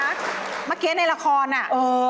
เอาเหรอยังอยู่